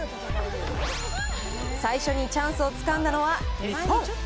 最初にチャンスをつかんだのは日本。